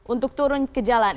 untuk turun ke jalan